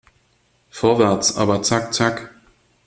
Vorwärts, aber zack zack!